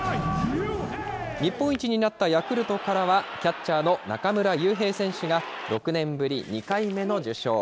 日本一になったヤクルトからは、キャッチャーの中村悠平選手が６年ぶり２回目の受賞。